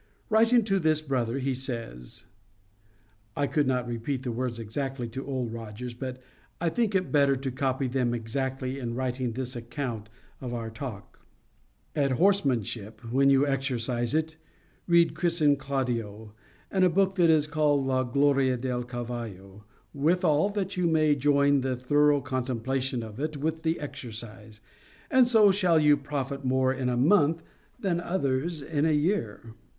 Writing to this brother he says—" I could not repeat the words exactly to Old Rogers, but I think it better to copy them exactly, in writing this account of our talk: "At horsemanship, when you exercise it, read Crison Claudio, and a book that is called La Gloria del Cavallo, withal that you may join the thorough contemplation of it with the exercise; and so shall you profit more in a month than others in a year."